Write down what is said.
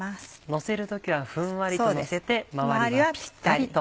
のせる時はふんわりとのせて周りはぴったりと。